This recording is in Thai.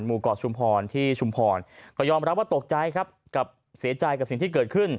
เกาะชุมพรที่ชุมพรก็ยอมรับว่าตกใจครับกับเสียใจกับสิ่งที่เกิดขึ้น